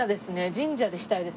神社でしたいですね。